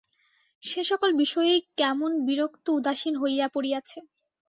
সে সকল বিষয়েই কেমন বিরক্ত উদাসীন হইয়া পড়িয়াছে।